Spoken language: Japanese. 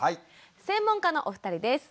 専門家のお二人です。